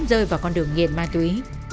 phúc sớm rơi vào con đường nghiền ma túy